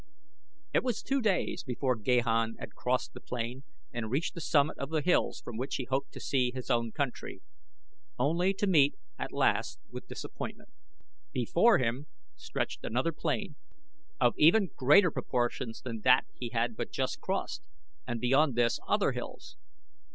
It was two days before Gahan had crossed the plain and reached the summit of the hills from which he hoped to see his own country, only to meet at last with disappointment. Before him stretched another plain, of even greater proportions than that he had but just crossed, and beyond this other hills.